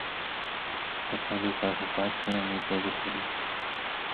Сапраўды, кажа, паншчына нейкая выходзіць.